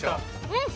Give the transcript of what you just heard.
うん